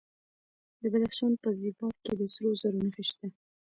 د بدخشان په زیباک کې د سرو زرو نښې شته.